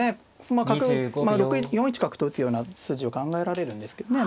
まあ角４一角と打つような筋を考えられるんですけどね。